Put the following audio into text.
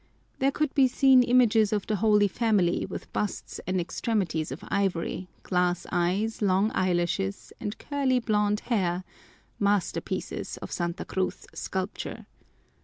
There could be seen images of the Holy Family with busts and extremities of ivory, glass eyes, long eyelashes, and curly blond hair masterpieces of Santa Cruz sculpture.